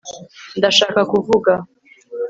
ndashaka kuvuga